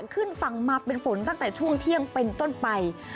ขึ้นฝั่งมาเป็นฝนตั้งแต่ช่วงเที่ยงเป็นต้นไป